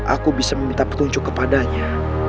aku bisa meminta petunjuk kepadanya